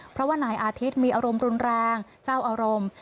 เพราะว่านายอาทิตย์มีอารมณ์รุนแรงเจ้าอารมณ์